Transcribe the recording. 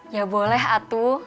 ya boleh atu